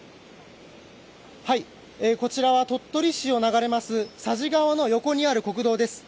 こちらは鳥取市を流れる佐治川の横にある国道です。